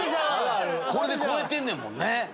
これで超えてんねんもんね。